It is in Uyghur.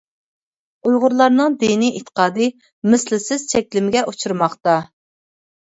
ئۇيغۇرلارنىڭ دىنىي ئېتىقادى مىسلىسىز چەكلىمىگە ئۇچرىماقتا.